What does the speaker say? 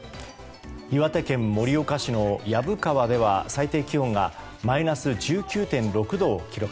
岩手県盛岡市の薮川では最低気温がマイナス１９．６度を記録。